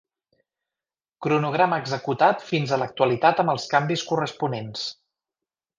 Cronograma executat fins a l'actualitat amb els canvis corresponents.